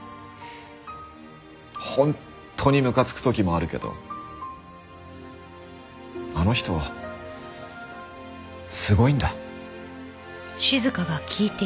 本当にムカつく時もあるけどあの人すごいんだ。